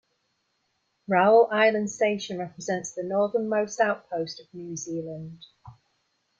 Raoul Island Station represents the northernmost outpost of New Zealand.